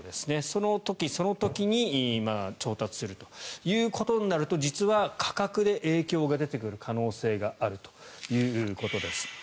その時その時に調達するということになると実は価格で影響が出てくる可能性があるということです。